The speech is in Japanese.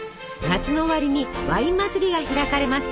夏の終わりにワイン祭りが開かれます。